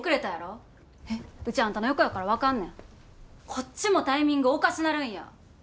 こっちもタイミングおかしなるんや。